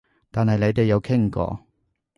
但係你哋有傾過？